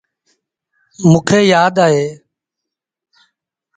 موݩ کي يآد اهي۔